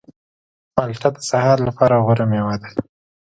مالټه د سهار لپاره غوره مېوه ده.